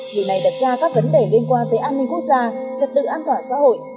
điều này đặt ra các vấn đề liên quan tới an ninh quốc gia trật tự an toàn xã hội